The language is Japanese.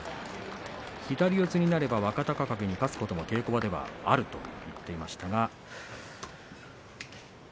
左四つになれば若隆景に勝つこともあると言っていました。